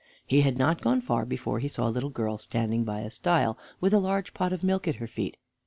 He had not gone far before he saw a little girl standing by a stile, with a large pot of milk at her feet.